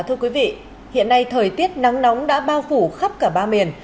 thưa quý vị hiện nay thời tiết nắng nóng đã bao phủ khắp cả ba miền